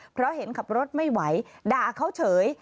เพราะเห็นขับรถไม่ไหวด่าเขาเฉย